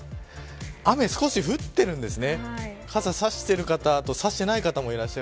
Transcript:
雨、少し降っているんですね。